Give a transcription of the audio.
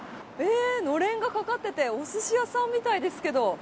のれんが掛かっていておすし屋さんみたいですけど。